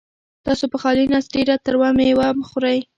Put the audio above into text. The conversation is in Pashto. تاسو په خالي نس ډېره تروه مېوه مه خورئ.